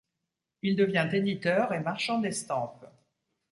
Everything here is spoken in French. Il devient éditeur et marchand d'estampes.